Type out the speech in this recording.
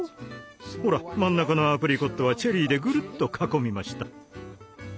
ほら真ん中のアプリコットはチェリーでぐるっと囲みました。